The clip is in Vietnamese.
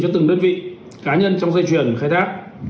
cho từng đơn vị cá nhân trong dây chuyển khai thác